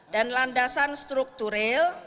dan landasan strukturel